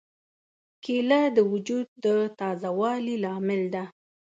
کېله د وجود د تازه والي لامل ده.